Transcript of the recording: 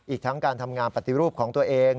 อีกทั้งการทำงานปฏิรูปของตัวเอง